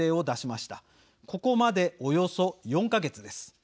ここまでおよそ４か月です。